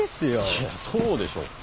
いやそうでしょ？